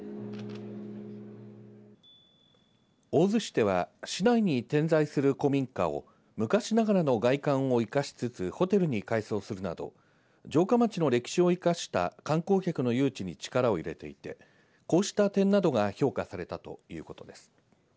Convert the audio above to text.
大洲市では市内に点在する古民家を昔ながらの外観を生かしつつホテルに改装するなど城下町の歴史を生かした観光客の誘致に力を入れていてこうした点などが評価されたということです。